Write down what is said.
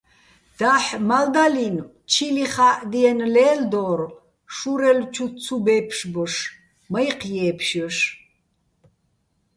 დაჰ̦ მალდალინო̆ ჩილიხა́ჸდიენო̆ ლელდორ, შურელო̆ ჩუ ცუ ბე́ფშბოშ, მაჲჴი̆ ჲე́ფშჲოშ.